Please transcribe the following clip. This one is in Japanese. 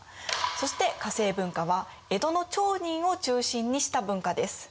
そして化政文化は江戸の町人を中心にした文化です。